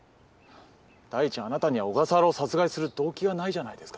第一あなたには小笠原を殺害する動機がないじゃないですか。